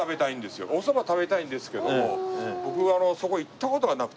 お蕎麦食べたいんですけども僕はそこ行った事がなくて。